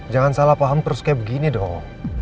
jangan salah paham terus kayak begini dong